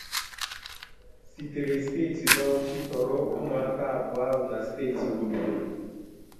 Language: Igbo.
sitere steeti Baụchi tọọrọ ụmụaka abụọ ahụ na steeti Gombe